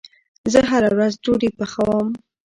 زه هره ورځ ډوډې پخوم